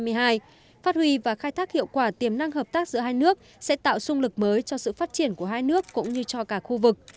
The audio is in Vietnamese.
phát huy và khai thác hiệu quả tiềm năng hợp tác giữa hai nước sẽ tạo sung lực mới cho sự phát triển của hai nước cũng như cho cả khu vực